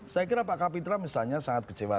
saya kira pak kapitra misalnya sangat kecewa